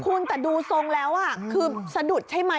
คุณแต่ดูทรงแล้วคือสะดุดใช่ไหม